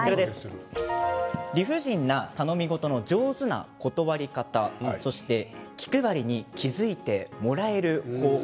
理不尽な頼みごとの上手な断り方気配りに気付いてもらえる方法